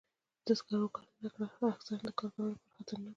د سکرو کانونه اکثراً د کارګرانو لپاره خطرناک وي.